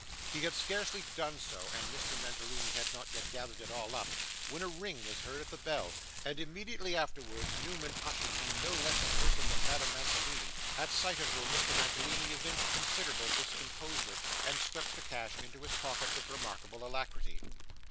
He had scarcely done so, and Mr. Mantalini had not yet gathered it all up, when a ring was heard at the bell, and immediately afterwards Newman ushered in no less a person than Madame Mantalini, at sight of whom Mr Mantalini evinced considerable discomposure, and swept the cash into his pocket with remarkable alacrity.